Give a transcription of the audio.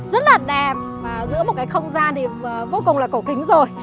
rất là đẹp và giữa một cái không gian thì vô cùng là cổ kính rồi